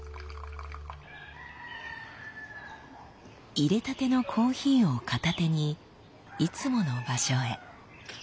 いれたてのコーヒーを片手にいつもの場所へ。